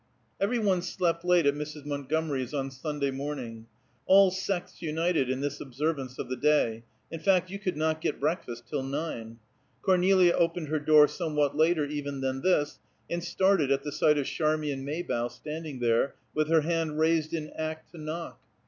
Every one slept late at Mrs. Montgomery's on Sunday morning; all sects united in this observance of the day; in fact you could not get breakfast till nine. Cornelia opened her door somewhat later even than this, and started at the sight of Charmian Maybough standing there, with her hand raised in act to knock.